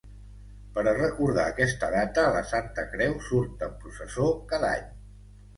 Per recordar aquesta data, la Santa Creu surt en processó cada any.